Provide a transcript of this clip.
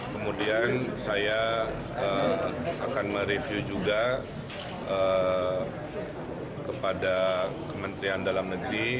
kemudian saya akan mereview juga kepada kementerian dalam negeri